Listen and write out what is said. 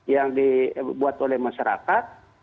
yang dibuat oleh masyarakat